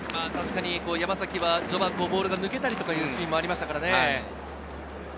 確かに山崎は序盤ボールが抜けたりとかいうシーンがありましたからね。